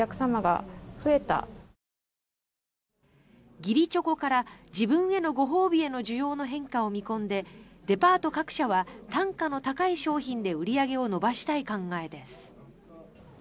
義理チョコから自分のご褒美への需要の変化を見込んでデパート各社は単価の高い商品で売り上げを伸ばしたい考えです。